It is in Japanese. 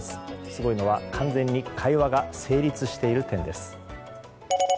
すごいのは完全に会話が成立している点です。